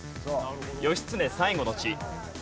義経最期の地。